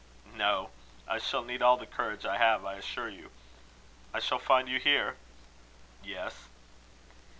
"No. I shall need all the courage I have, I assure you. I shall find you here?" "Yes."